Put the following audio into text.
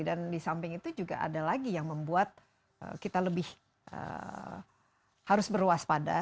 dan di samping itu juga ada lagi yang membuat kita lebih harus berwaspada